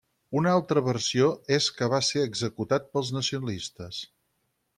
Una altra versió és que va ser executat pels nacionalistes.